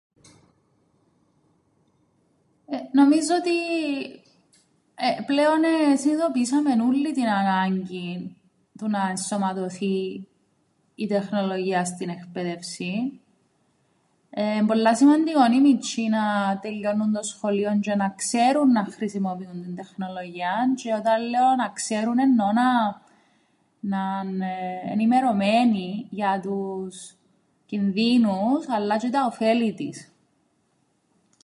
Ε, νομίζω ότι, ε, πλέον εσυνειδητοποιήσαμεν ούλλοι την ανάγκην του να ενσωματωθεί η τεχνολογία στην εκπαίδευσην, εν' πολλά σημαντικό οι μιτσ̆ιοί να τελειώννουν το σχολείον τζ̆αι να ξέρουν να χρησιμοποιούν την τεχνολογία τζ̆αι όταν λέω να ξέρουν εννοώ να 'ν', να 'ν' ενημερωμένοι για τους κινδύνους αλλά τζ̆αι τα οφέλη της.